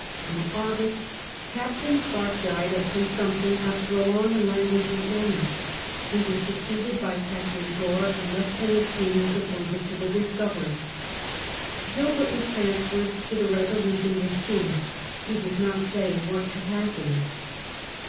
In August, Captain Clerke died of consumption after a long and languishing illness, lie was succeeded by Captain Gore, and Lieutenant King was appointed to the iJiscomif. Gilbert was transferred to the Resolution with King — he does not say in what capacity.